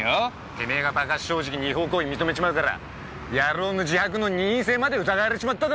テメェがバカ正直に違法行為を認めちまうから野郎の自白の任意性まで疑われちまっただろうが！